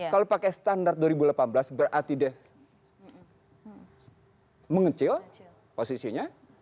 kalau pakai standar dua ribu delapan belas berarti dia mengecil posisinya